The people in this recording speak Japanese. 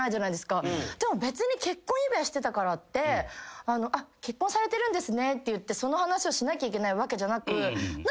でも別に結婚指輪してたからって「結婚されてるんですね」って言ってその話をしなきゃいけないわけじゃなく。